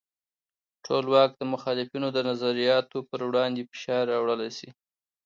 ټولواک د مخالفینو د نظریاتو پر وړاندې فشار راوړلی شي.